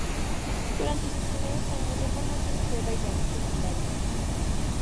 Durante sus primeros años de formación, fue bailarín secundario.